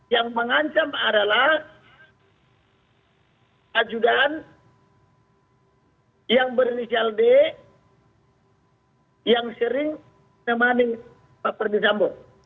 yang mengancam adalah ajudan yang berinisial d yang sering nemani pak perdisambo